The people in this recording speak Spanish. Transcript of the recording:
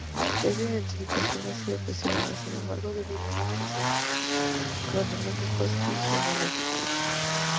Esta identificación ha sido cuestionada, sin embargo, debido a muchos errores cronológicos y genealógicos.